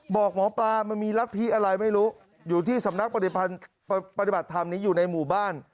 บอกหมอปลามันมีรัฐธิอะไรไม่รู้อยู่ที่สำนักปฏิบัติธรรมนี้อยู่ในหมู่บ้าน